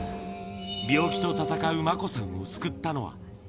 病気と闘う真子さんを救ったのは。